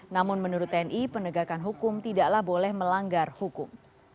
namun menurut tni penegakan hukum tidaklah boleh melanggar hukum